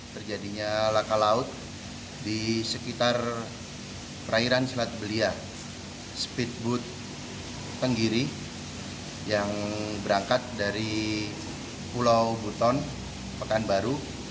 terjadinya laka laut di sekitar perairan selat belia speedboat tenggiri yang berangkat dari pulau buton pekanbaru